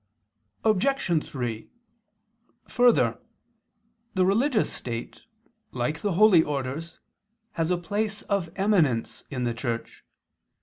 Obj. 3: Further, the religious state, like the holy orders, has a place of eminence in the Church.